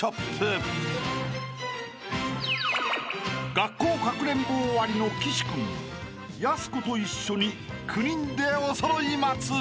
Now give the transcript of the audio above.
［学校かくれんぼ終わりの岸君やす子と一緒に９人でおそろい松］